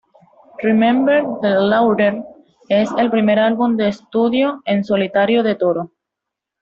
Remember The Laughter es el primer álbum de estudio en solitario de Toro.